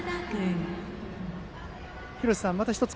廣瀬さんまた１つ